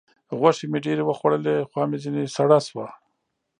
غوښې مې ډېرې وخوړلې؛ خوا مې ځينې سړه سوه.